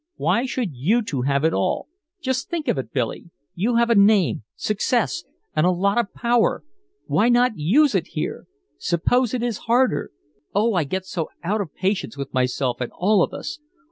Why should you two have it all? Just think of it, Billy, you have a name, success and a lot of power! Why not use it here? Suppose it is harder! Oh, I get so out of patience with myself and all of us!